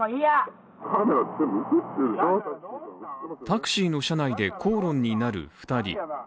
タクシーの車内で口論になる２人。